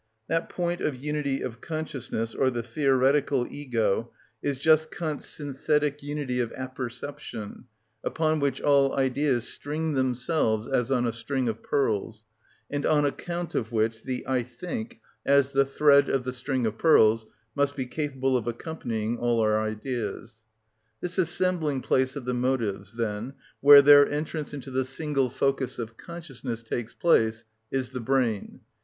That point of unity of consciousness, or the theoretical ego, is just Kant's synthetic unity of apperception, upon which all ideas string themselves as on a string of pearls, and on account of which the "I think," as the thread of the string of pearls, "must be capable of accompanying all our ideas."(36) This assembling place of the motives, then, where their entrance into the single focus of consciousness takes place, is the brain.